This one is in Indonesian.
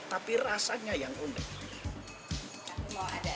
tapi rasanya yang unik